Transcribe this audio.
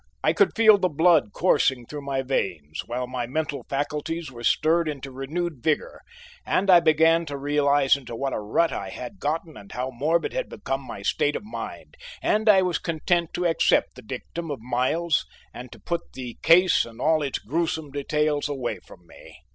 I could feel the blood coursing through my veins, while my mental faculties were stirred into renewed vigor, and I began to realize into what a rut I had gotten and how morbid had become my state of mind, and I was content to accept the dictum of Miles and to put the case and all its gruesome details away from me.